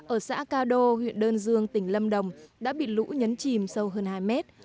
ở xã ca đô huyện đơn dương tỉnh lâm đồng đã bị lũ nhấn chìm sâu hơn hai mét